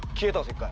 １回。